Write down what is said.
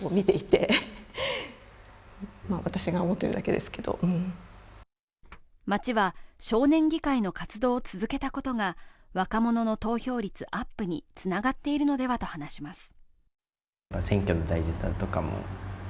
家での様子は町は、少年議会の活動を続けたことが若者の投票率アップにつながっているのではと話します。